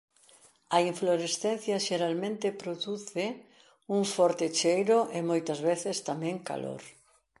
A inflorescencia xeralmente produce un forte cheiro e moitas veces tamén calor.